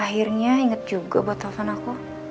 akhirnya inget juga buat telepon aku